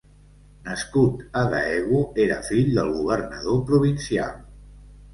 Nascut a Daegu, era fill del governador provincial.